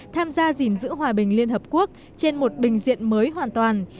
tham gia gìn giữ hòa bình liên hợp quốc trên một bình diện mới hoàn toàn